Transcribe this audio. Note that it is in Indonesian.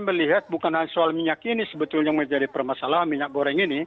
saya melihat bukan hanya soal minyak ini sebetulnya yang menjadi permasalahan minyak goreng ini